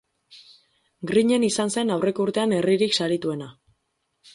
Griñen izan zen aurreko urtean herririk sarituena.